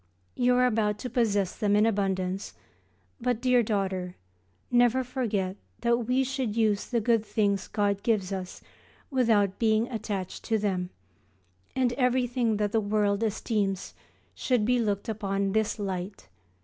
You are about to possess them in abundance, but, dear daughter, never forget that we should use the good things God gives us without being attached to them, and everything that the world esteems should be looked upon in this light.